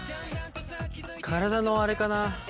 体のあれかな。